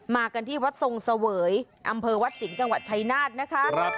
กันที่วัดทรงเสวยอำเภอวัดสิงห์จังหวัดชายนาฏนะคะ